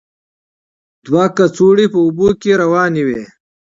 دوه کڅوړې په اوبو کې روانې وې.